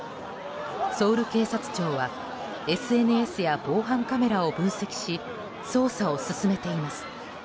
ソウル警察庁はＳＮＳや防犯カメラを分析し捜査を進めています。